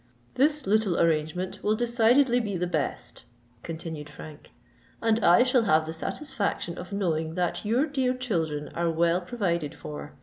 "This little arrangement will decidedly be the best," continued Frank; "and I shall have the satisfaction of knowing that your dear children are well provided for.